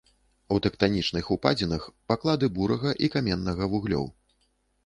У тэктанічных упадзінах паклады бурага і каменнага вуглёў.